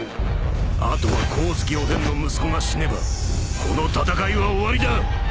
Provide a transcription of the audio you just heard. あとは光月おでんの息子が死ねばこの戦いは終わりだ！